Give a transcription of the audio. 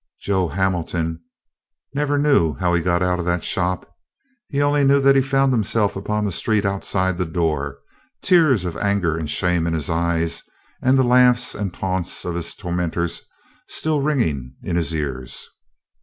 Joe Hamilton never knew how he got out of that shop. He only knew that he found himself upon the street outside the door, tears of anger and shame in his eyes, and the laughs and taunts of his tormentors still ringing in his ears.